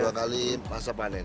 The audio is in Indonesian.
dua kali masa panen